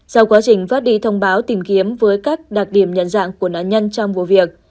sau quá trình phát đi thông báo tìm kiếm với các đặc điểm nhận dạng của nạn nhân trong vụ việc